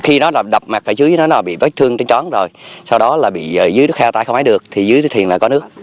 khi nó đập mặt ở dưới nó bị vết thương trên trón rồi sau đó là bị dưới nước heo tay không ai được thì dưới thuyền là có nước